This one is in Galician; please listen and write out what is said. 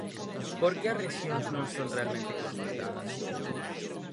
¿Por qué as rexións non son realmente consultadas?